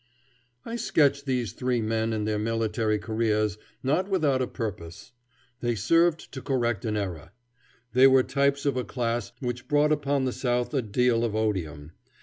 I sketch these three men and their military careers not without a purpose. They serve to correct an error. They were types of a class which brought upon the South a deal of odium.